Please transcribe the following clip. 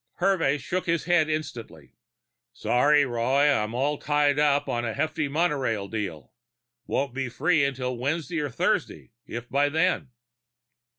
Hervey shook his head instantly. "Sorry, Roy. I'm all tied up on a hefty monorail deal. Won't be free until Wednesday or Thursday, if by then."